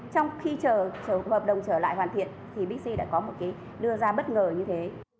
trong khi chờ hợp đồng trở lại hoàn thiện thì bixi đã có một cái đưa ra bất ngờ như thế